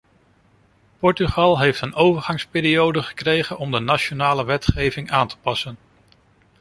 Portugal heeft een overgangsperiode gekregen om de nationale wetgeving aan te passen.